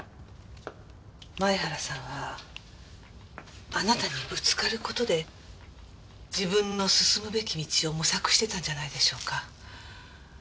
前原さんはあなたにぶつかる事で自分の進むべき道を模索してたんじゃないでしょうか。